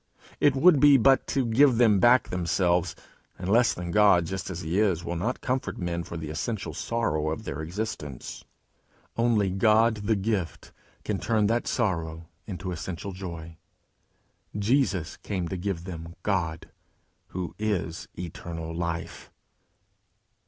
It would be but to give them back themselves; and less than God just as he is will not comfort men for the essential sorrow of their existence. Only God the gift can turn that sorrow into essential joy: Jesus came to give them God, who is eternal life.